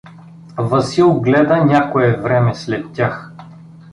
Васил гледа някое време след тях.